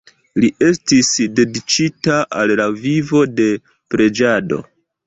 Li estis dediĉita al la vivo de preĝado.